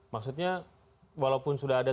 maksudnya walaupun sudah ada